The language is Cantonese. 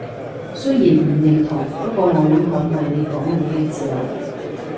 雖然唔認同，不過我會捍衛你講嘢嘅自由